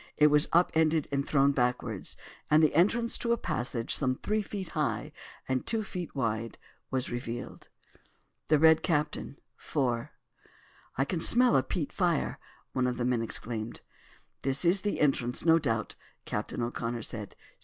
It was up ended and thrown backwards, and the entrance to a passage some three feet high and two feet wide was revealed. THE RED CAPTAIN.—IV. "I can smell a peat fire!" one of the men exclaimed. "This is the entrance, no doubt," Captain O'Connor said.